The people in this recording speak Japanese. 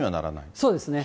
そうですね。